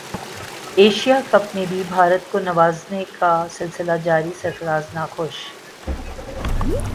Asia cup میں بھی بھارت کو نوازنے کا سلسلہ جاری سرفراز ناخوش